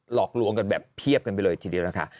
หลอกลวงกันแบบเพียบกันไปเลยทีเดียวนะคะ